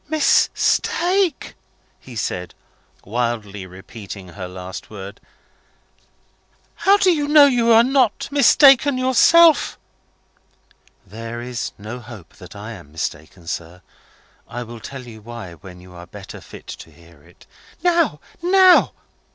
"Mistake?" he said, wildly repeating her last word. "How do I know you are not mistaken yourself?" "There is no hope that I am mistaken, sir. I will tell you why, when you are better fit to hear it." "Now! now!"